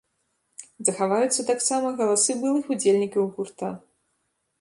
Захаваюцца таксама галасы былых удзельнікаў гурта.